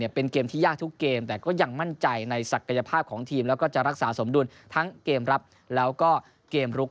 เป็นเกมที่ยากทุกเกมแต่ก็ยังมั่นใจในศักยภาพของทีมแล้วก็จะรักษาสมดุลทั้งเกมรับแล้วก็เกมลุก